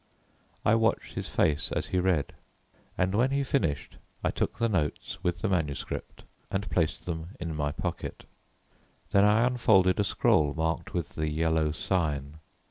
I watched his face as he read, and when he finished I took the notes with the manuscript, and placed them in my pocket. Then I unfolded a scroll marked with the Yellow Sign.